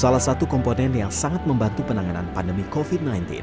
salah satu komponen yang sangat membantu penanganan pandemi covid sembilan belas